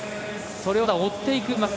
それを追っていきます